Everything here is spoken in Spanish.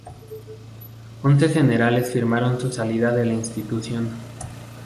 Once generales firmaron su salida de la institución.